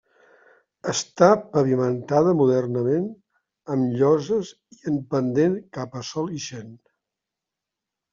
Està pavimentada modernament amb lloses i en pendent cap a sol ixent.